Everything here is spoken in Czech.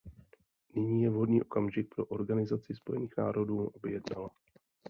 Nyní je vhodný okamžik pro Organizaci spojených národů, aby jednala.